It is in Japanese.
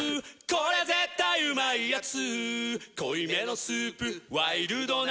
これ絶対うまいやつ」